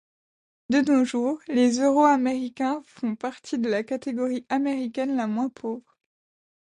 De nos jours, les Euro-Américains font partie de la catégorie américaine la moins pauvre.